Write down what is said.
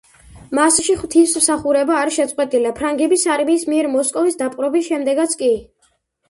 მასში ღვთისმსახურება არ შეწყვეტილა ფრანგების არმიის მიერ მოსკოვის დაპყრობის შემდეგაც კი.